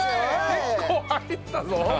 結構入ったぞ！